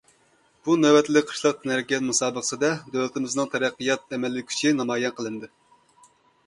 بۇ نۆۋەتلىك قىشلىق تەنھەرىكەت مۇسابىقىسىدە دۆلىتىمىزنىڭ تەرەققىيات ئەمەلىي كۈچى نامايان قىلىندى.